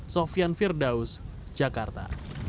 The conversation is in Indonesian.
sofian firdaus jakarta